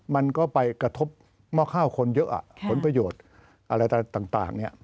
มันก็ไปกระทบมอข้าวคนเยอะหล่นประโยชน์อะไรต่าง